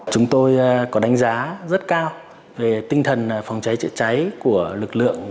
chúng tôi có đánh giá rất cao về tinh thần phòng cháy chữa cháy của lực lượng